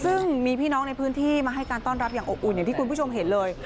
ซึ่งมีพี่น้องในพื้นที่มาให้การต้อนรับอย่างอบอุ่นอย่างที่คุณผู้ชมเห็นเลย